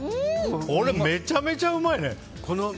これ、めちゃくちゃうまいね。